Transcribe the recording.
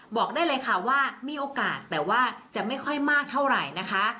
บอกได้เลยค่ะว่ามีโอกาสแต่ว่าจะไม่ค่อยมากเท่าไหร่นะคะ